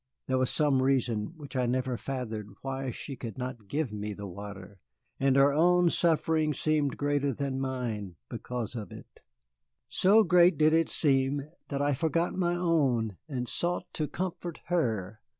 There was some reason which I never fathomed why she could not give me the water, and her own suffering seemed greater than mine because of it. So great did it seem that I forgot my own and sought to comfort her.